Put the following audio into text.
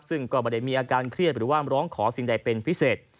ซึ่งก็ไม่ได้มีอาการเครียดหรือว่าร้องขอสิ่งใดเป็นพิเศษ